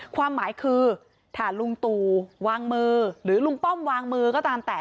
ความหมายคือถ้าลุงตู่วางมือหรือลุงป้อมวางมือก็ตามแต่